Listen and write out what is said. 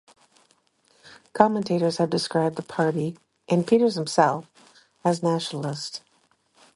Commentators have described the party, and Peters himself, as nationalist.